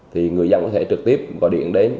thì người dân có thể trực tiếp gọi điện đến